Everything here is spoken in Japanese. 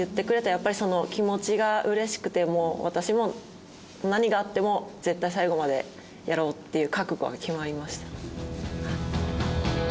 やっぱりその気持ちがうれしくてもう私も何があっても絶対最後までやろう！っていう覚悟は決まりました。